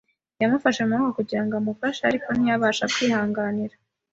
Yamufashe mu maboko kugira ngo amufashe, ariko ntiyabasha kwihanganira.